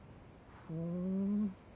ふん。